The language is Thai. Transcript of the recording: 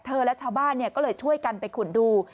และชาวบ้านก็เลยช่วยกันไปขุดดู